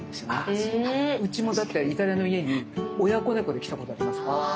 うちもだってイタリアの家に親子猫で来たことあります。